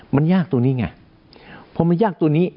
มันยากตัวนี้ไงพอมันยากตัวนี้